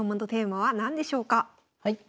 はい。